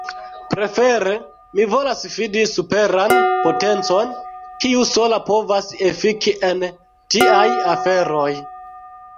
Prefere mi volas fidi superan potencon, kiu sola povas efiki en tiaj aferoj.